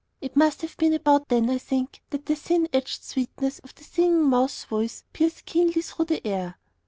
It must have been about then, I think, that the thin edged sweetness of the Singing Mouse's voice pierced keenly through the air.